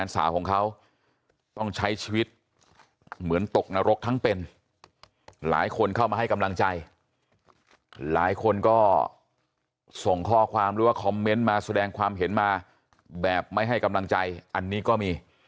ส่งข้อความหรือว่าคอมเมนต์มาแสดงความเห็นมาแบบไม่ให้กำลังใจอันนี้ก็มี